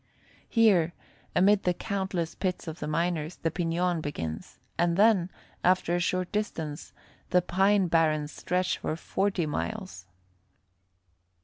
Here, amid the countless pits of the miners, the piñons begin, and then, after a short distance, the pine barrens stretch for forty miles.